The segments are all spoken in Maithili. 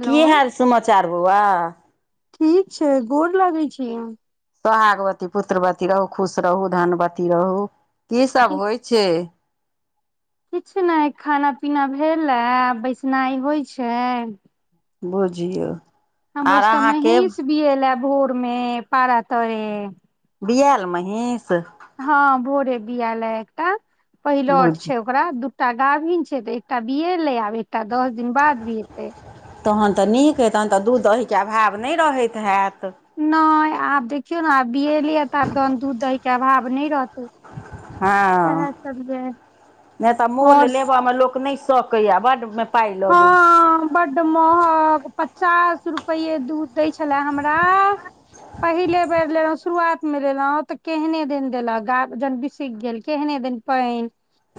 हेलो की हाल समाचार बौआ ठीक छय गोर लागे छी हम सोहागवती पुत्रवती रहू खुश रहू धनवती रहू की सब होइ छै किछ नय खाना पीना भेलए बैसनाइ होइत छै बुझियौ हमरो आर सबके अहाँके मेहींस भी एल है भोर मे पारा तरे बिऐल महिष हँ भोरे बिऐल ह एकटा पहिलोट बुझ छै ओकरा दूटा गाभिन छै ते एकटा बिऐलयआब एकटा दस दिन बाद विऐत तखन तऽ नीक हे तहन तऽ दूध दहीकके अभाव नहि रहैत हैत नहि आब देखियौ ने आ बिऐलय ह तऽ आब त दूध दही के अभाव नहि रहते हँ सह सब [inaudible] और म लोक नहि सकैए बड ओ मे पाइ लगैत छै बड महंग पचास रुपे दूध दै छले हमरा पहिले बेर लेलहुँ शुरुआत मे लेलहुँ तऽ केहने दिन देलक ग जन बिसक गेल केहने दिन पाइन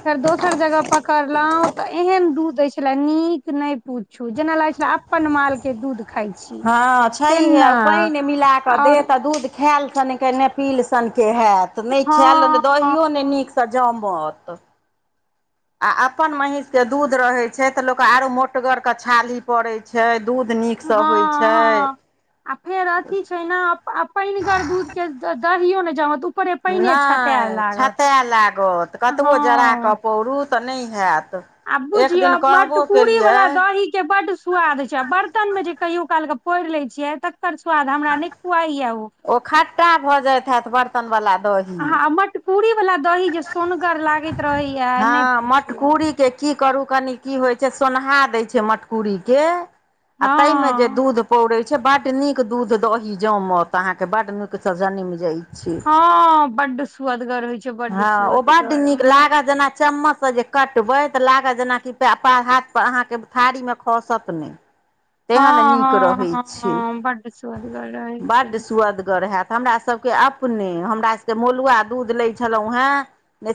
फेर दोसर जगह पकड़लौं त एहन दुध ऐछ नीक नहि पूछू जेना लगै छलै अपन माल के दूध खाय छी हँ छैहे तेना पाइन मिला कऽ दे आओर तऽ दूध खायल सनके न पील सनके होैत नहि खायल हँ दहियो नहि नीक स जामत आ अपन महीस के दूध रहे छै ते लोक आरो मोटगर के छाली पड़ैत छै दूध हँ नीकसँ होइत छै हँ आ फेर अथी छै ने पनिगर दूध के दहियो नय जमत ऊपरे पानिये छताय नय लागत छटै लागत कतबो जरा हँ कऽ पौरुत तऽ नय हैत आ एक बुझियौ दिन कहबो मरकुरी केलियै वाला ओ दही के बड स्वाद छै बर्तन मे जे कहियो काल के पोर ले छिय तकर स्वाद हमरा ने खुआइ या उ ओ खट्टा भऽ जात हत बर्तन वाला दही आ मटकुरी वाला दही जे सोनगर लागैत रहैया हँ नहि पुछो मटकुरीके की करू कनि की होइ छै सोन्हा दै छै मटकुरीके आ ताहिमे जे हँ दूध पौड़े छै बड नीक दूध दही जामत अहा के बड नीक से जन्म जाय हँ बड स्वादगर होइ छै बड हँ ओ बड्ड स्वदगर नीक ह लागत जेना चम्मचसँ जे कटबै तऽ लागत जेनाकि प हाथ पर अहाँके थारीमे खसत नहि तेहन हँ नीक रहै हँ छै हँ बड स्वदगर रहै छै स्वदगर है त तऽ हमरा सभके अपने हमरा सभके मौलुआ दूध लै छलहुँ है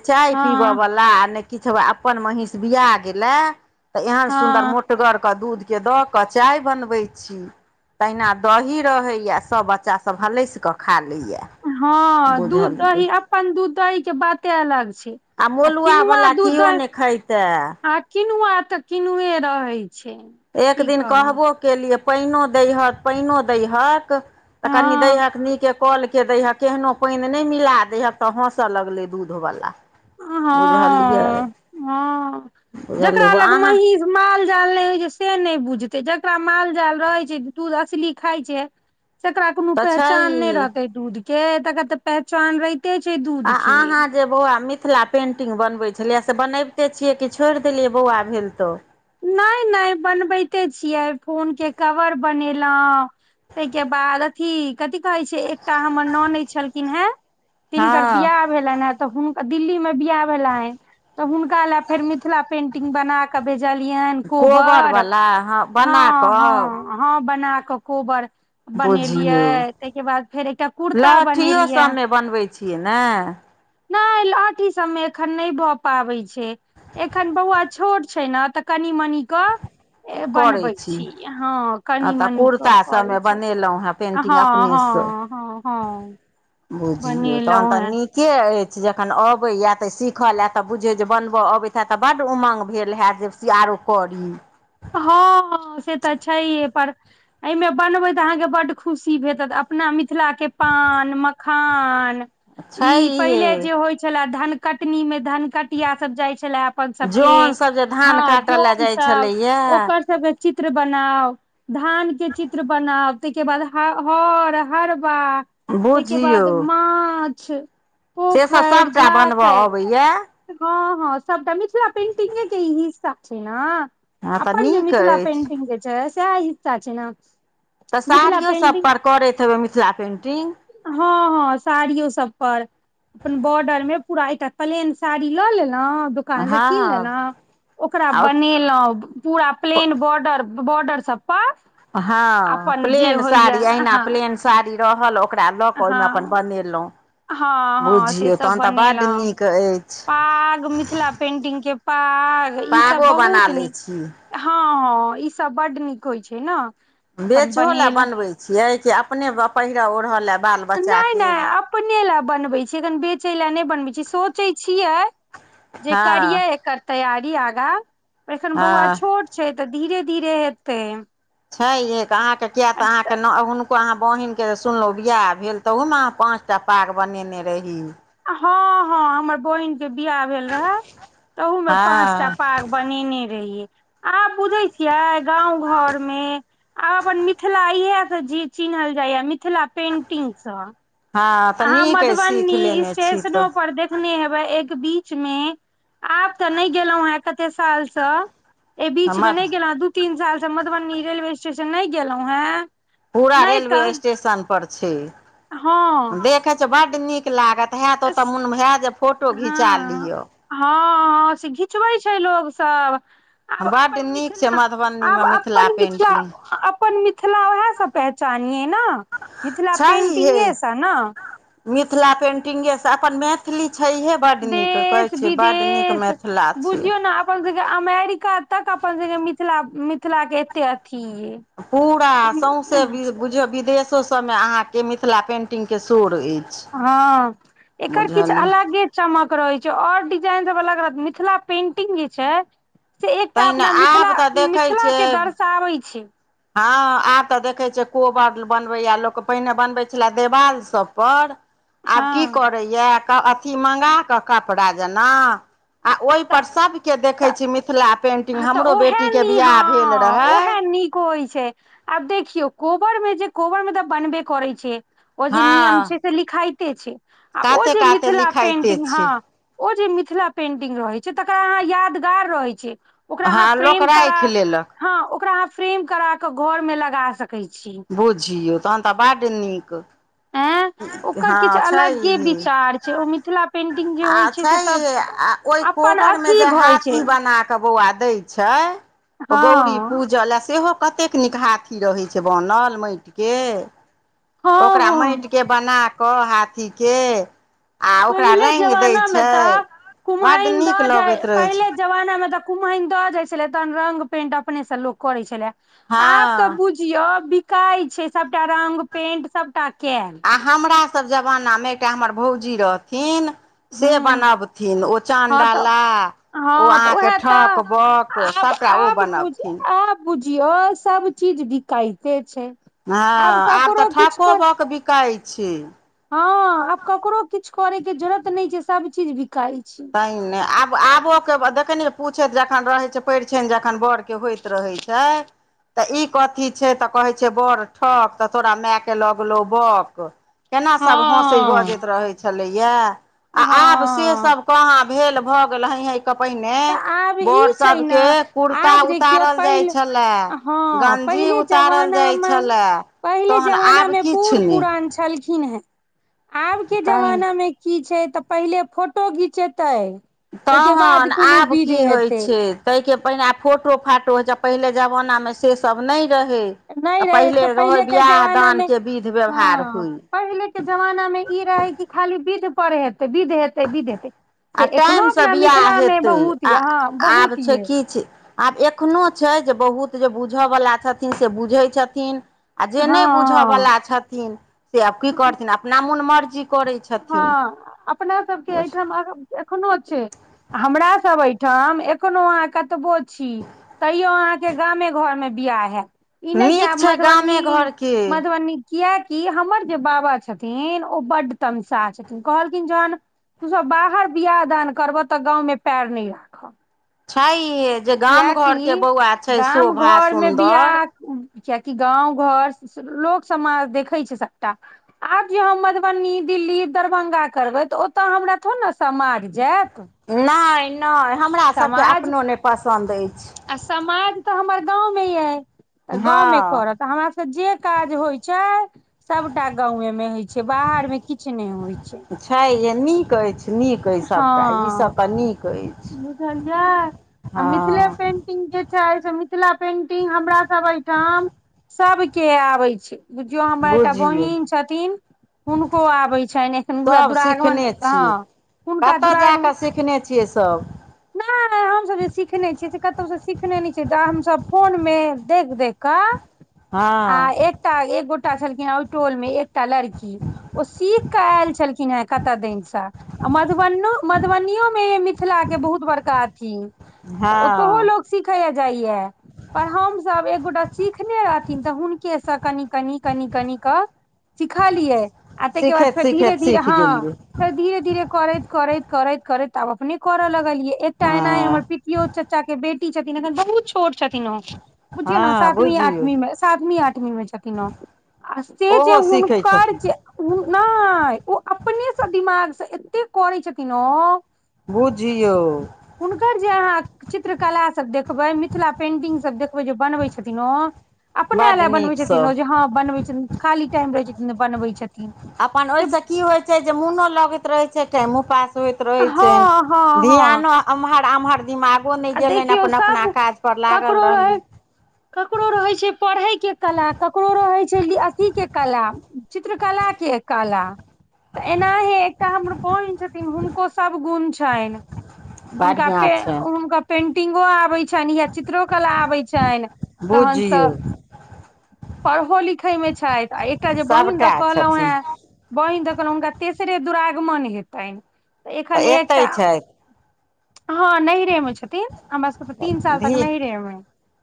चाय हँ पीबय वाला ने किछ अपन महीस बिया गेले तऽ एहन सुन्दर मो हँ दुधगरके दूधके दऽ कऽ चाय बनबै छी तहिना दही रहैये सब बच्चा सब हलैस क खा लैये हँ दूध दही अपन दूध दही के बाते अलग छै आ मलुआ किनुआ वला दूध किओ दही नहि खइतै आ किनुआ तऽ किनुए रहै छै एक की दिन कहू कहबो केलियै पानिओ दैहऽक पानिओ दैहक तऽ कनि दैहक हँ नीके कल के दैहक केहनो पाइन नहि मिला दैहक तऽ हँसय लगलै दूधवला बुझलियै हँ हँ [inaudible] बुझलियै जकरा लग अहाँ महीष माल जाल नहि होइ छै से नय बुझतै जकरा माल जाल रहैत छै दूध असली खाइ छै तकरा कोनो तऽ पहचान नहि छैहे रहतै दूध के तकरा तऽ पहचान रहिते छै आ दूध के आहाँ जे बौआ मिथिला पेंटिंग बनबैत छलियै से बनबिते छियै कि छोड़ि देलियै बौआ भेल तऽ नय नय बनबैते छियै फोन के कवर बनेलहुँ ताहि के बाद अथी कथि कहे छै एकटा हमर नानैद छलखिन हे तिनकर हँ बियाह भेलह दिल्ली मे बियाह भेलनि तऽ हुनका ले फेर मिथिला पें टिंग बना क भेजलियनि कोबर कोबरवला हँ बना कऽ हँ हँ बना कऽ कोबर बनेलियै बुझियौ ताहिके बाद फेर एकटा कुर्ता लहठियो बनेलियै सभमे बनबै छियै नेऽ नहि लठी सबमे एखन नहि भऽ पाबै छै एखन बौआ छोट छै ने तऽ कनि मनि कऽ ए बनबै छी हँ आ कनी तऽ मनी कऽ कुर्ता करै सबमे छै बनेलहुँ हेँ पेन्टिंग हँ हँ अपनेसँ हँ हँ बुझियौ तहन बनेलहुं तऽ हें नीक के अछि जखन अबैया तऽ सीखल हए तऽ बुझैत जे बनबऽ अबैत हैतत तऽ बड उमङ्ग भेल होैत जे से आरो करी हँ से तऽ छैहै पर एहिमे बनबे तऽ अहाँके बड खुशी भेटत अपना मिथिला के पान मखान ई पहिले छैहे जे होइ छलेय धन कटनी मे धननकटिया सब जाय छले अपन सबके जन सब जे हँ धान काटय लए जोन जाइ सब छलैया ओकर सबके चित्र बनाउ धान के चित्र बनाव ताहिके बाद हर हरबा ताहिके बुझियौ बाद माछ से सब पोखेर सभटा बनबय झाखेर अबैया हँ हँ सबटा मिथिला पेंटिंगे के ई हिस्सा छै नऽ हँ तऽ अपन जे नीक मिथिलला अछि पेंटिंग छै से ही सा छै नऽ तऽ साड़ियो सभ पर करैत हेबै मिथिला पेन्टिंग हँ हँ साड़ियो सब पर अपन बॉर्डर में पूरा एकटा प्लेन साड़ी लऽ लेलहु दुकान सऽ हँ कीन लेलहु ओकरा आ बनेलहुं पूरा प्लेन बॉर्डर बोर्डर सबपर हँ प्लेन साड़ी अहिना हँ प्लेन साड़ी रहल ओकरा लऽ कऽ ओहिमे अपन हँ बनेलहुँं हँ हँ से सब बनेलहुँ नीक अछि पाग मिथिला पेंटिंग के पाग ई सब पागो बना बहुत लै नीक छी हँ हँ ई सब बड नीक होइ छै नऽ बेचोहो लय बनबै छियै कि अपने पहिर ओढ़ऽ लय नहि नहि अपने लए बनबै छियै एखन बेचै लए नहि बनबै छीय सोचै छियै जे करिये हँ एकर तैयारी आगा एखन बौआ हँ छोट छै तऽ धीरे धीरे हेतै छैहे अहाँके किया तऽ अहाँके त- नऽ हु नको अहाँ बहिनके जे सुनलहुँ बिआाह भेल तहूमे अहाँ पाँचटा पाग बनेने रही हँ हँ हमर बहिन के बियाह भेल रहे तहू में पांचटा हँ पाग बनेने रहिये आब बुझै छियै गाँव घरमे आ अपन मिथिला इहसँ चिनहल जाइया मिथिला पेंटिंग सऽ हँ तऽ अहाँ नीक अइ सीख मधुबनी लेने छी तऽ स्टेशनों पर देखने हेब एक बीच मे आब तऽ नहि गेलहुं हे कते सालसँ एहि बीचमे हमर नहि गेलहुँ दू तीन सालसँ मधुबनी रेलवे स्टेशन नहि गेलहुँ हेँ पूरा रेलवे स्टेशन पर छै हँ देखे छै बड नीक लागत हेत ओते मोन मे हय जे फोटो घिचा हँ लियो हँ, हँ, से घिचबै छै लोकोग सभ बड़ नीक छै मधुब आब अपन मिथिला, अपन मिथिला, उएह सभ पहचानियै ने। मिथिला छैहे पेंटिंगे सभ ने मिथिला पेन्टिंगेसँ अपन मैथिली छै हे बड़ नीक कहै देश छी बड़ नीक विदेश मिथिला छीय बुझियौ ने अपन सभके अमेरिका तक अपन सभके मिथिला मिथिला के एते अथी ये पूरा सौसे बुझौ विदेशोसभमे अहाँकेँ मिथिला पेन्टिंगके शोर अछि ह, एकर किछु बुझलियै अलगे चमक रहैत छै और डिजाइन सभ अलग अलग मिथिला पेंटिंग जे छै से एकटा तहिना अपना मिथिला आब तऽ देखै मिथिला के छियै दर्शाबे छै। हँ आब तऽ देखे छिय कोबर बनबेया लोक पहिने बनबे छले देवाल सभ पर [inaudible] आब की करैया अथी मांग कऽ कपड़ा जेना आ ओहिपर सभके तऽ देखै छै मिथिला पेन्टिंग हँ तऽ हमरो ओहे बेटीके नी बियाह भेल हँ रहै ओहे नीक होइ छै आब देखियौ कोबर मे जे कोबर मे तऽ बनबे करै छै ओ जे नियम हँ छै से लिखाई ते छै आ ओ काते जे काते मिथिला लिखाइते पेंटिंग हँ छै ओ जे मिथिला पेन्टिग रहैत छै तकरा अहाँ यादगार रहैत छै। ओकरा अहाँ हँ लोक फ्रेम करा राखि लेलक हँ ओकरा अहाँ फ्रेम करा क घरमे लगा सकै छी बुझियौ तहन तऽ बड़ नीक आँ। ओकर हँ किछु छै अलगे इहे विचार छै ओ मिथिला पेन्टिंग जे होइ छै, से तऽ आ ओहि अपन कोबरमे अथी जे होई छै हाथी बना बौआ दै छै आ हँ गौरी पूजल सेहो कतेक नीक हाथी रहै छै बनल माटि के हँ ओकरा हँ माटि के बना कऽ हाथीके आ ओकरा पहिले रंग दय जमाना मे छै तऽ बड कुम्हैन नीक दऽ जाय लगैत रहे पहिले छै जमाना में तऽ कुमहन द जाय छले तहन रंग पेट अपने से लोक करे छले हँ आब तऽ बुझियौ बिकाय छै सभटा रंग पेंट सभटा कल आ हमरा सँ जमानामे एकटा हमर भौजी रहथिन से हूँ बनबथिन ओ चन्द हँ तऽ डाला ओ हँ तऽ अहाँकेँ उएह ठक तऽ बक सभटा ओ बनबथिन बुझियऔ सभ चीज बिकायते छै हँं आब तऽ ककरो किछु ठको कर बाके बिकाइ छै हँ आब ककरो किछु करे के जरत नहि छै सभ चीज बिकाइ छै ताई ने आब आबोके देखैनि पूछैत जखन रहै छै। परिछनि जखन बड़के होइत रहैत छै तऽ ई कथी छै तऽ कहै छै बड़ ठक तऽ तोरा मायके लगलौ बक केना सभ हसै हँ भजैत रहै छै छलैया आ हँ आब से हँ सभ कहाँ भेल भऽ गेल हा हेके पहिने तऽ आब ई बोर छै ने सभके कुर्ता आब देखियौ उतारल पहिल जाय छले हँ गंजी पहिले उताल जाइ जमानामे छलए पहिले तहन जमाना आब मे बूढ़ किछु नहि पुरान छलखिन हे आबके तैं जमानामे कि छै तऽ पहिले फोटो घिचेतै ताहिके बाद तहन कोनो आब विध कि होइ हेतै छै तैके पहिने फोटो फाटो होइ छै पहिले जमानामे से सब नइ रहै नहि तऽ रहै पहिले रहय के बियाह जमाना दान मे के विध व्यवहार हँ होइ पहिले के जमाना मे ई रहे कि खाली विध प हेतै विध हेतै विध हेतै आ से एखनो टाइमसँ अपना बिआह मिथिला मे हेतै बहुत आ य हँ आब बहुत छै ये किछ आब एखनो छै जे बहुत जे बुझयवला छथिन से बुझै छथिन आ जे नहि हँ बुझयवला छथिन से आब की हँ करथिन अपना मोन मर्जी करै छथिन हँ अपना सब के ठाम एखनो छै हमरा सब ठ ठाम एखनो अहाँ कतबो छी तैयो अहाँके गामे घर मे बियाह हयत ई नइ जयब नीक छै गामे मधुबनी घरके मधुबनी कियकि हमर जे बाबा छथिन ओ बड तमसाह छथिन कहलखिन जन तू सब बाहर बियाह दान करबह तऽ गाँवं पर न ल छैहे जे गाम घरके कियकि बौआ छै गाम शोभा घर मे सुन्दर बियाह कियकि गाँव घर लोक समाज देखै छै सबटा आब जे हम मधुबनी दिल्ली दरभ्ंगा करबै तऽ ओतय हमरा थोड़े ने सम माइर जयत नय नय हमरा सबके अपनो नय पसन्द अछि आ समाज तऽ हमर गाँवमे यऽ तऽ गाँमे हँ करत हमरास जे काज होइ छै सबटा गाे मे होइ छै बाहर मे किछ नय होइ छै छै जे नीक अइछ नीक अछि सबटा ई सब तऽ नीक अइछ झा आीथिल प हँ जे छै मिथिला पेंटिंग हमरा सब ठाम सब के आबे छै बुझियौ हमर एकटा बुझियौ बहिन छथिन हुनको आबै छनि एखन हनक सभ दुरागमन सिखने हँ छियै हुनका कतय जा दुरागमन कऽ सिखने छियै सब नइ हमसब जे सिखने छियै से कतहु से सिखने ने छै तऽ हमसब फोन मे देख देख कऽ आ हँ एकटा एक गोटा छलखिन ह ओहि टोल मे एकटा लड़की ओ सीख कऽ एल छलखिन हेँ कतय दिनसँ आ मधुब मधुबनो में मिथिला के बहुत बड़का अथिन तऽ ओतहु हँ लोको सिखे जाइया पर हमसब एकगोटा सिखने रहथिन तऽ हुनकेसँ कनि कनि कनि कनि क सिख लियै आ तहिके बाद सिखैत फेर धीरे सिखैत धीरे सीख हँ गेलियै तऽ धीरे धीरे करैत करैत करैत करैत तब अपने लगलियै एकटा एना हमर हँ पितियो चाचा के बेटी छथिन एखन बहु तोर छथिन बुझियौ ने हँ सातवीं बुझियौ आठवीं मे सातवीं आठवीं छथिन ओ आ से जे ओहो सीखै हुनक जे छथिन ओ नइ ओ अपनेसँ दिमागसँ एतेक करै छथिन ओ बुझियौ हुनकर जे अहाँ चित्रकला सब देखबै मिथिला पेंटिंगसभ देखबै जे बनबै छथिन ओ अपना बड्ड लए नीक बनबैत छथिन सभ ओ जे हँ बनबैत छथिन खाली टाइम रहै छथिन बनबैत छथिन अपन से ओहिसँ की होइत छै जे मोनो लगैत रहै छै टाेम उपास होइत रहै हँ हँ छनि हँ ध्यानो एमहर आमहर दिमाग नय आ गेलनि देखियौ अपन अपना सब काज पर लागल ककरो रहली रहै ककरो रहै छै पढ़े के कला ककरो रहै छै अथी के कला चित्रकलाके कला तऽ एना है एक हमर बहिन छथिन हुनको सभ गुण छनि हुनका बढ़िआँ छनि पेु पेंटिंगो आबै छनि या चित्रो कला आबै छनि तहन बुझियौ सभ पढ़ो लिखे मे छथि आ एकटा जे बहिन तऽ सभटा कहलहु हे छथिन बहिन दऽ हुनका तेसरे दुरागमन हेतनि तऽ एखन एकटा एतै छथि हँ नै मे छथिन हम बसके तऽ तीन साल धी तक नहिरे मे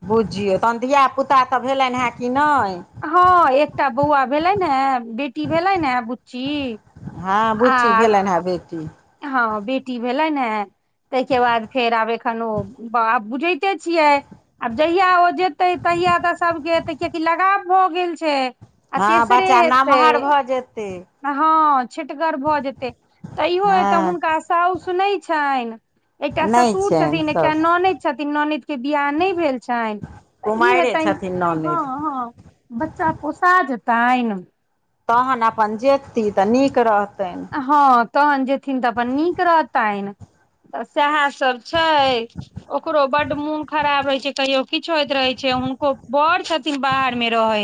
बुझियौ तहन धियापुता तऽ भेलनि हे कि नहि ह, एकटा बौआ भेलै ने बेटी भेलै ने बुच्ची ह, बूचि आ भेल बेटी। हँ, बेटी भेलै हेन ताहिके बाद फेर आब एखन ओ बुझैते छियै आब जहिया ओ ज तै तहिय तऽ सभकेते कियकि लगाव भऽ गेल छै आ हँ तेसरे बच्चा हेतै नमहर भऽ जेतै। ह, छिटगर भऽ जेतै त इयो एतऽ हँ हुनका साउ सुनैत छनि एकटा नहि ससुर छनि छथिन, एकटा साउस ननदि छथिन ननदि के बियाह नहि भेल छनि तऽ ई कुमारिए छथिन हेतनि ह, ननदि ह बच्चा पोसा जेतनि तहन अपन जेती तऽ नीक रहत थे। हँ तहन जेथिन तऽ अपन नीक रहतै त सएह सभ छै ओकरो बड़ मोन खराब रहे छै कहियो किछु होइत रहे छै हुनको बड़ छथिन बाहरमे रहै